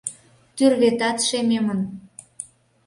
Тӱрветат шемемын...